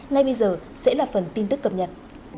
ngay bây giờ sẽ là phần tin tức cập nhật